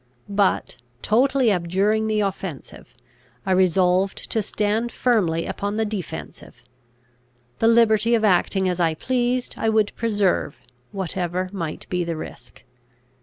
But, totally abjuring the offensive, I resolved to stand firmly upon the defensive. The liberty of acting as I pleased I would preserve, whatever might be the risk.